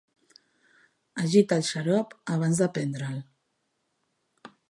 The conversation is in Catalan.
Agita el xarop abans de prendre'l.